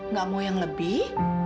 nggak mau yang lebih